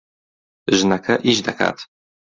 ژنەکە ئیش دەکات.